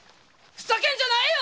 ふざけるんじゃないよ！